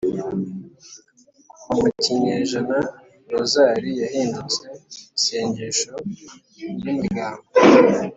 kuva mu kinyejana rozali yahindutse isengesho ry’umuryango